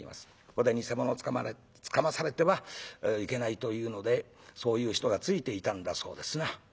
ここで偽物つかまされてはいけないというのでそういう人がついていたんだそうですな。